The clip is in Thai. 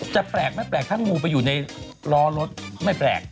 แปลกไม่แปลกถ้างูไปอยู่ในล้อรถไม่แปลก